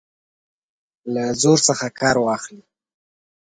له زور څخه کار واخلي.